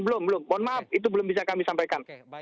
belum belum mohon maaf itu belum bisa kami sampaikan